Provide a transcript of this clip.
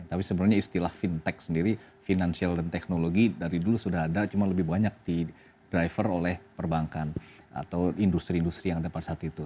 tapi sebenarnya istilah fintech sendiri financial dan teknologi dari dulu sudah ada cuma lebih banyak di driver oleh perbankan atau industri industri yang ada pada saat itu